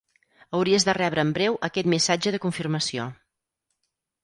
Hauries de rebre en breu aquest missatge de confirmació.